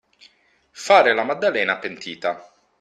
Fare la maddalena pentita.